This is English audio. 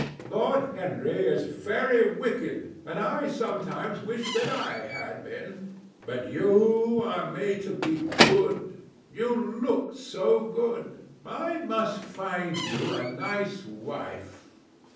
Lord Henry is very wicked, and I sometimes wish that I had been; but you are made to be good—you look so good. I must find you a nice wife.